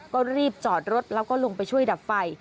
ก็รีบจอดรถแล้วก็ลงไปช่วยดับไฟ